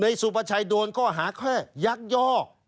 ในสุปประชัยโดนก็หาแค่ยักยอก